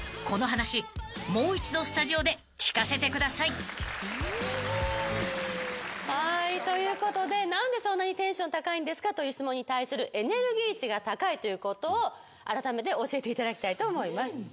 この話もう一度スタジオで聞かせてください］ということで何でそんなにテンション高いんですかという質問に対するエネルギー値が高いということをあらためて教えていただきたいと思います。